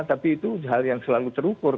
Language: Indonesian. tapi itu hal yang selalu terukur